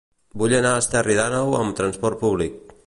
Vull anar a Esterri d'Àneu amb trasport públic.